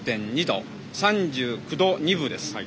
３９度２分です。